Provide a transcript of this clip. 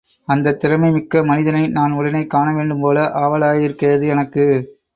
அந்தத் திறமை மிக்க மனிதனை நான் உடனே காணவேண்டும்போல ஆவலாயிருக்கிறது எனக்கு.